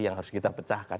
yang harus kita pecahkan